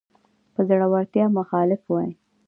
به د زړورتیا مخالف وای